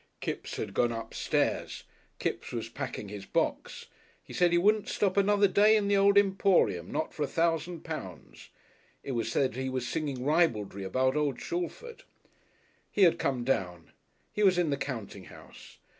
Kipps had gone upstairs. Kipps was packing his box. He said he wouldn't stop another day in the old Emporium, not for a thousand pounds! It was said that he was singing ribaldry about old Shalford. He had come down! He was in the counting house.